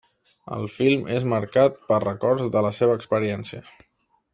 El film és marcat pels records de la seva experiència.